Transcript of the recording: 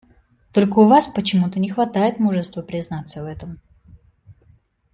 Только у Вас почему-то не хватает мужества признаться в этом.